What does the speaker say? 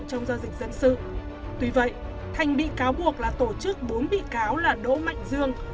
dịch dân sự tuy vậy thành bị cáo buộc là tổ chức bốn bị cáo là đỗ mạnh dương